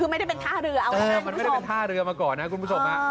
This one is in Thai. คือไม่ได้เป็นท่าเรือเอาเรือมันไม่ได้เป็นท่าเรือมาก่อนนะคุณผู้ชม